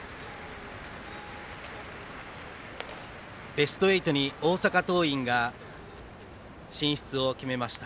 ベスト８に大阪桐蔭が進出を決めました。